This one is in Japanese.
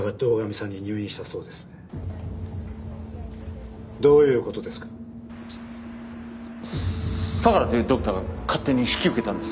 さ相良というドクターが勝手に引き受けたんです。